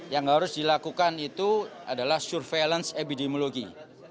yang harus dilakukan itu adalah surveillance epidemiologi